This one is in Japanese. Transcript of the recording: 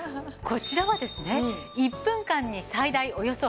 こちらはですね